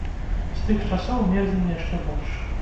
З тых часоў мерзнем яшчэ больш.